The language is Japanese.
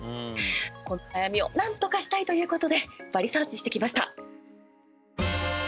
この悩みをなんとかしたいということでバリサーチしてきました。